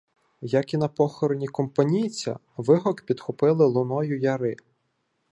Як і на похороні Компанійця, вигук підхопили луною яри.